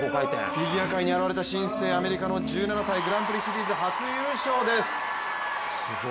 フィギュア界に表れた新星、アメリカの１７歳、グランプリシリーズ初優勝です。